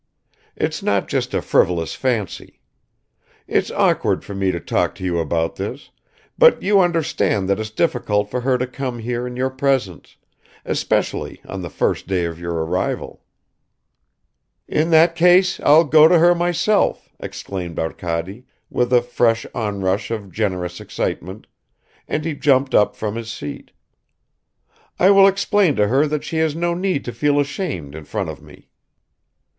. it's not just a frivolous fancy. It's awkward for me to talk to you about this, but you understand that it's difficult for her to come here in your presence, especially on the first day of your arrival." "In that case I'll go to her myself!" exclaimed Arkady, with a fresh onrush of generous excitement, and he jumped up from his seat. "I will explain to her that she has no need to feel ashamed in front of me."